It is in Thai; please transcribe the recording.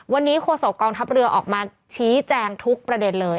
วันนี้โฆษกองทัพเรือออกมาชี้แจงทุกประเด็นเลย